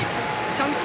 チャンス